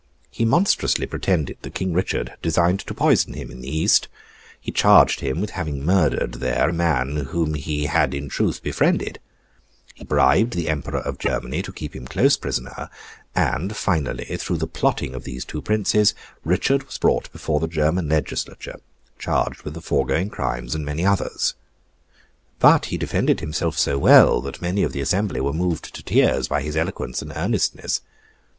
He monstrously pretended that King Richard had designed to poison him in the East; he charged him with having murdered, there, a man whom he had in truth befriended; he bribed the Emperor of Germany to keep him close prisoner; and, finally, through the plotting of these two princes, Richard was brought before the German legislature, charged with the foregoing crimes, and many others. But he defended himself so well, that many of the assembly were moved to tears by his eloquence and earnestness.